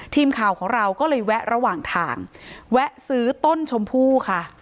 ทีมข่าวของเราก็เลยแวะระหว่างทางแวะซื้อต้นชมพู่ค่ะ